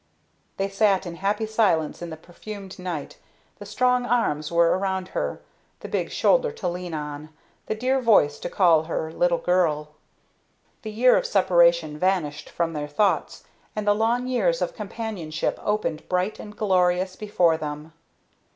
They sat in happy silence in the perfumed night. The strong arms were around her, the big shoulder to lean on, the dear voice to call her "little girl." The year of separation vanished from their thoughts, and the long years of companionship opened bright and glorious before them.